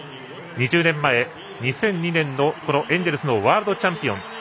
２０年前、２００２年のエンジェルスのワールドチャンピオン。